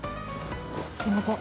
すいません。